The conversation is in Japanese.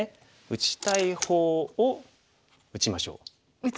「打ちたい方を打ちましょう」？